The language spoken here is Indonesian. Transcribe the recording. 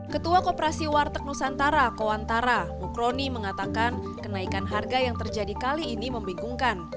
ketua koperasi warteg nusantara kowantara mukroni mengatakan kenaikan harga yang terjadi kali ini membingungkan